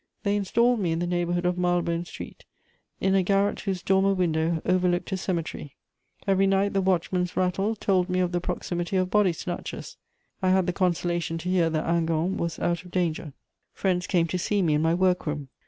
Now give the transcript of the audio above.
They installed me in the neighbourhood of Marylebone Street, in a garret whose dormer window overlooked a cemetery: every night the watchman's rattle told me of the proximity of body snatchers. I had the consolation to hear that Hingant was out of danger. Friends came to see me in my work room.